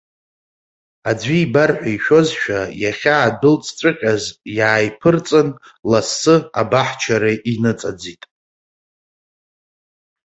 Аӡәы ибар ҳәа ишәозшәа, иахьаадәылҵҵәҟьаз иааиԥырҵын, лассы абаҳчара иныҵаӡит.